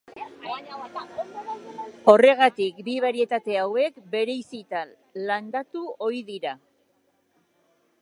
Horregatik bi barietate hauek bereizita landatu ohi dira.